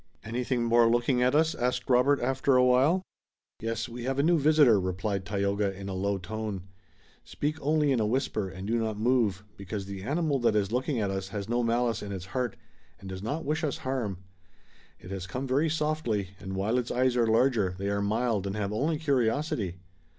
"Anything more looking at us?" asked Robert after awhile. "Yes, we have a new visitor," replied Tayoga in a low tone. "Speak only in a whisper and do not move, because the animal that is looking at us has no malice in its heart, and does not wish us harm. It has come very softly and, while its eyes are larger, they are mild and have only curiosity."